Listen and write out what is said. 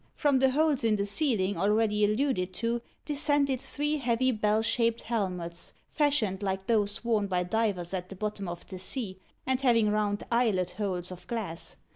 From the holes in the ceiling already alluded to, descended three heavy bell shaped helmets, fashioned like those worn by divers at the bottom of the sea, and having round eyelet holes of glass.